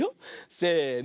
せの。